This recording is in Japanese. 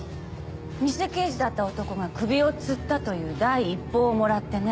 偽刑事だった男が首をつったという第一報をもらってね。